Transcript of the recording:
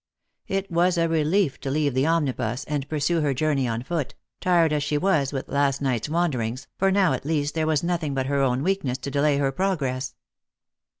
It was a relief to leave the omnibus, and pursue her journey on foot, tired as she was with last night's wander ings, for now at least there was nothing but her own weakness to delay her progress.